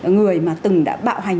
người mà từng đã bạo hành